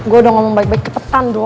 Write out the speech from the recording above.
gue udah ngomong baik baik cepetan dong